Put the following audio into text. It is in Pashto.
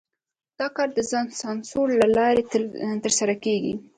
دا کار د ځان سانسور له لارې ترسره کېږي.